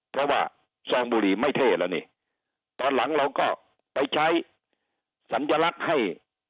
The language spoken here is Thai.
เพราะว่าซองบุหรี่ไม่เท่แล้วนี่ตอนหลังเราก็ไปใช้สัญลักษณ์ให้